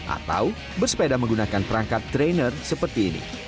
atau bersepeda menggunakan perangkat trainer seperti ini